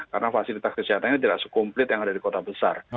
karena fasilitas kesehatannya tidak sekomplit yang ada di kota besar